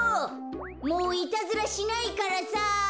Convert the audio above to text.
もういたずらしないからさ。